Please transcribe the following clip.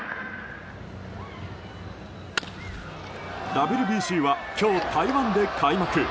ＷＢＣは今日、台湾で開幕。